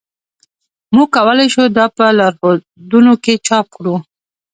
موږ کولی شو دا په لارښودونو کې چاپ کړو